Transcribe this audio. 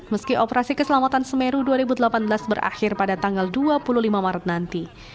meski operasi keselamatan semeru dua ribu delapan belas berakhir pada tanggal dua puluh lima maret nanti